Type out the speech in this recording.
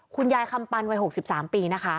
คุณยายคำปันวัย๖๓ปีนะคะ